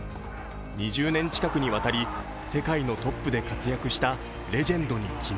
２０年近くにわたり世界のトップで活躍したレジェンドに昨日